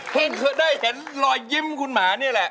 เห็นเธอได้เห็นลอยยิ้มคุณหมานี่แหละ